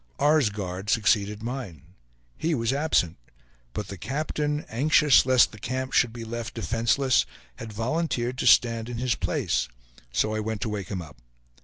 R.'s guard succeeded mine. He was absent; but the captain, anxious lest the camp should be left defenseless, had volunteered to stand in his place; so I went to wake him up.